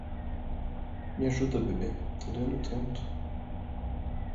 Me ajuda bebê, tá doendo tanto